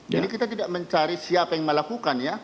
jadi kita tidak mencari siapa yang melakukan ya